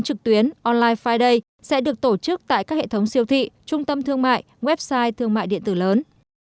các hệ thống trực tuyến online friday sẽ được tổ chức tại các hệ thống siêu thị trung tâm thương mại website thương mại điện tử lớn